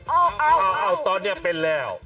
เอาเอาเอาเอาตอนนี้เป็นแล้ว